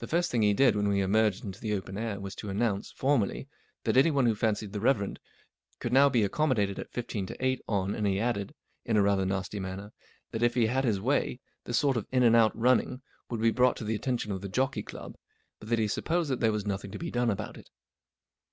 The first thing he did when we emerged into the open air was to announce, formally, that anyone who fancied the Rev. could now be accommodated at fifteen to eight on, and he added, m at* rither nasty manner, UNIVERSITY OF MICHIGAN P. G. Wodehouse that if he had his way, this sort of in and out running would be brought to the attention of the Jockey Club, but that he supposed that there was nothing to be done about it.